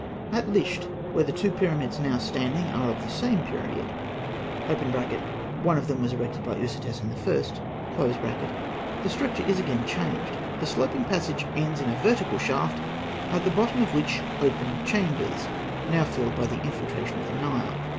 At Lisht, where the two pyramids now standing are of the same period (one of them was erected by Ûsertesen I.), the structure is again changed. The sloping passage ends in a vertical shaft, at the bottom of which open chambers now filled by the infiltration of the Nile.